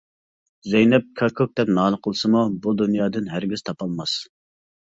زەينەپ كاككۇك دەپ نالە قىلسىمۇ، بۇ دۇنيادىن ھەرگىز تاپالماس.